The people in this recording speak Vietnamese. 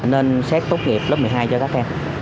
nên xét tốt nghiệp lớp một mươi hai cho các em